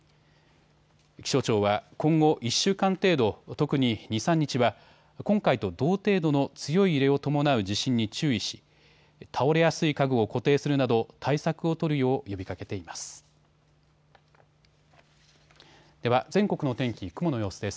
気象庁は今後１週間程度、特に２、３日は今回と同程度の強い揺れを伴う地震に注意し倒れやすい家具を固定するなど対策を取るよう呼びかけています。